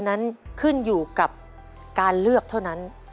นั้นขึ้นอยู่กับการเลือกเท่านั้น